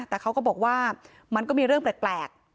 แต่เขาก็บอกว่ามันก็มีเรื่องแปลก